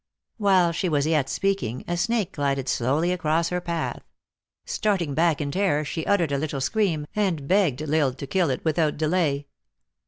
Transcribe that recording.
While she was yet speaking, a snake glided slowly across her path. Starting back in terror, she uttered a little scream, and begged L Isle to kill it without delay.